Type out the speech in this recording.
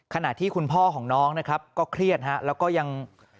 ที่คุณพ่อของน้องนะครับก็เครียดฮะแล้วก็ยัง